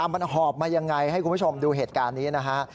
มันหอบมายังไงให้คุณผู้ชมดูเหตุการณ์นี้นะฮะ